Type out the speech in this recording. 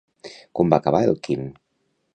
Com va acabar el Quim?